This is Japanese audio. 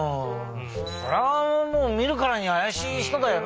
それはみるからにあやしい人だよな。